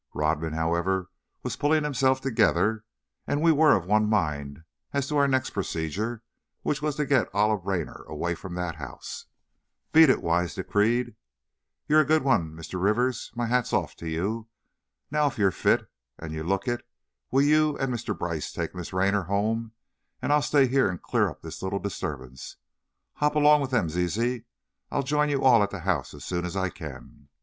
Rodman, however, was pulling himself together and we were of one mind as to our next procedure, which was to get Olive Raynor away from that house. "Beat it," Wise decreed; "you're a good one, Mr. Rivers! My hat's off to you. Now, if you're fit, and you look it, will you and Mr. Brice take Miss Raynor home, and I'll stay here and clear up this little disturbance. Hop along with them, Ziz; I'll join you all at the house as soon as I can."